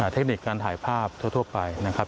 เทคนิคการถ่ายภาพทั่วไปนะครับ